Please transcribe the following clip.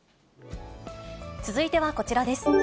続いてはこちらです。